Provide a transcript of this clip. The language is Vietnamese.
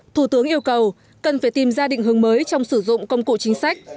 thủ tướng yêu cầu cần phải tìm ra định hướng mới trong sử dụng công cụ chính sách